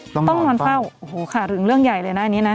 ต้องนอนเปล่าโอ้โฮค่ะเรื่องใหญ่เลยนะอันนี้นะ